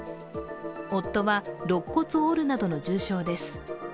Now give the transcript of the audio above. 夫はろっ骨を折るなどの重傷です。